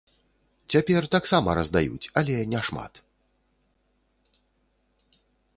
Цяпер таксама раздаюць, але няшмат.